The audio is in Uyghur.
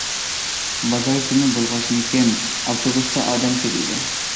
بازار كۈنى بولغاچقىمىكىن، ئاپتوبۇستا ئادەم كۆپ ئىدى.